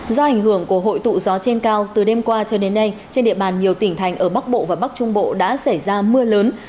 do ảnh hưởng của hội tụ gió trên cao từ đêm qua cho đến nay trên địa bàn nhiều tỉnh thành ở bắc bộ và bắc trung bộ đã xảy ra mưa lớn